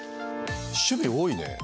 趣味多いね。